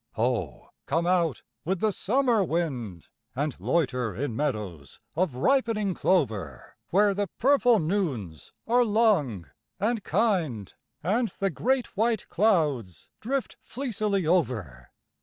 Ho, come out with the summer wind. And loiter in meadows of ripening clover, Where the purple noons are long and kind. And the great white clouds drift fleecily over.